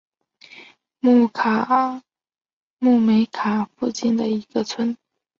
穆梅卡附近的一个村。